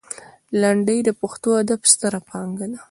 لنډۍ د پښتو ادب ستره پانګه ده.